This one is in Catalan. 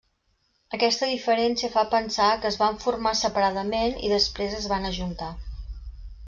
Aquesta diferència fa pensar que es van formar separadament i després es van ajuntar.